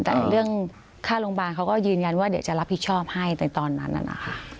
แต่เรื่องค่าโรงพยาบาลเขาก็ยืนยันว่าเดี๋ยวจะรับผิดชอบให้ในตอนนั้นน่ะนะคะ